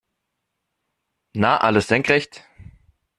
Na, alles senkrecht?